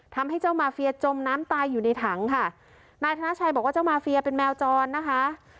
ทำให้เจ้ามาเฟียจมน้ำตายอยู่ในถังค่ะนายธนาชัยบอกว่าเจ้ามาเฟียเป็นแมวจรนะคะ